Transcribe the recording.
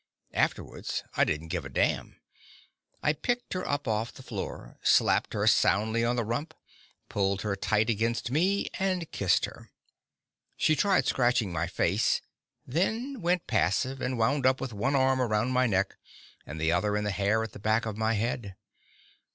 Afterwards, I didn't give a damn. I picked her up off the floor, slapped her soundly on the rump, pulled her tight against me, and kissed her. She tried scratching my face, then went passive, and wound up with one arm around my neck and the other in the hair at the back of my head.